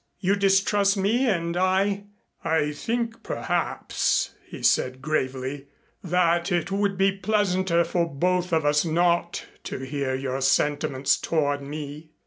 You distrust me and I " "I think perhaps," he said gravely, "that it would be pleasanter for both of us not to hear your sentiments toward me.